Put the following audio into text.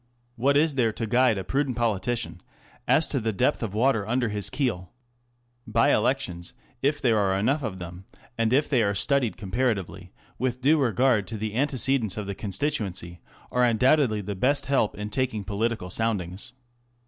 What is there to guide a prudent politician as to the depth of water under his keel ? Sye elections, if there are enough of them and if they are studied comparatively with due regard to the antecedents of the constituency, are undoubtedly the best help in taking political soundings.